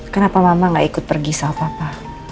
kenapa mama gak ikut pergi sawah papa